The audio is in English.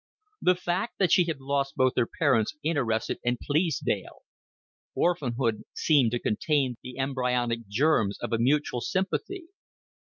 The fact that she had lost both her parents interested and pleased Dale: orphanhood seemed to contain the embryonic germs of a mutual sympathy.